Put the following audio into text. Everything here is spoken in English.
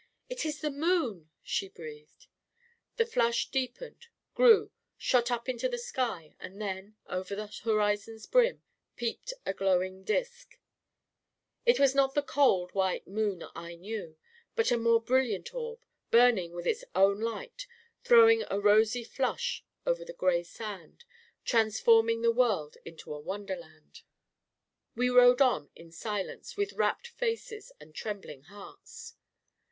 " It is the moon !" she breathed. The flush deepened, grew, shot up into the sky, and then, over the horizon's brim, peeped a glowing disc ... It was not the cold, white moon I knew ; but a more brilliant orb, burning with its own light, throwing a rosy flush over the gray sand, transforming the world into a wonderland ... We rode on in silence, with rapt faces and trem bling hearts